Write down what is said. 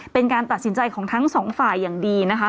เป็นการตัดสินใจของทั้งสองฝ่ายอย่างดีนะคะ